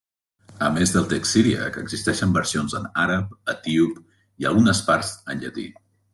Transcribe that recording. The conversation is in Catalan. A més del text siríac existeixen versions en àrab, etíop i algunes parts en llatí.